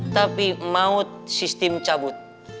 tapi maut sistem cabut